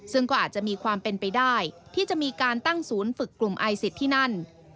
ซึ่งก็อาจจะมีความเป็นไปได้ที่จะมีการตั้งศูนย์ฝึกกลุ่มไอซิสที่นั่น